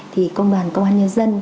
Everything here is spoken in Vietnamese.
thì công đoàn công an nhân dân